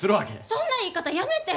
そんな言い方やめて！